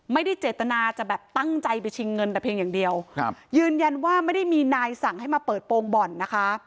ไม่ได้เจตนาจะแบบตั้งใจไปชิงเงินแต่เพียงอย่างเดียวครับยืนยันว่าไม่ได้มีนายสั่งให้มาเปิดโปรงบ่อนนะคะ